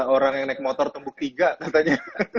orang yang naik motor tembuk tiga katanya